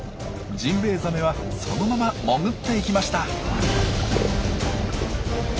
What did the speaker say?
ジンベエザメはそのまま潜っていきました。